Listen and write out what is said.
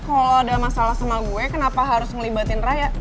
kalau ada masalah sama gue kenapa harus ngelibatin raya